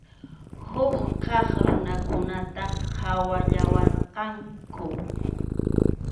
Huk kaq runakunataq qhawallawarqanku.